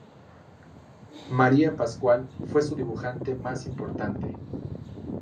María Pascual fue su dibujante más importante.